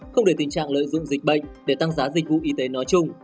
không để tình trạng lợi dụng dịch bệnh để tăng giá dịch vụ y tế nói chung